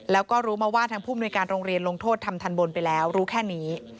แล้วก็รู้มาว่าทางผู้มนุยการโรงเรียนลงโทษทำทันบนไปแล้วรู้แค่นี้